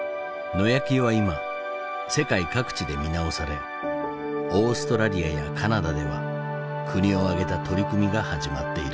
野焼きは今世界各地で見直されオーストラリアやカナダでは国を挙げた取り組みが始まっている。